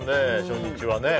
初日はね